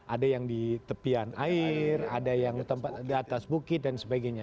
ada yang di tepian air ada yang tempat di atas bukit dan sebagainya